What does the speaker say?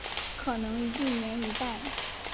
可能一年一代。